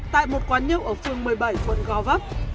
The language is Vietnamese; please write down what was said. tại một quán nhậu ở phường một mươi bảy quận gò vấp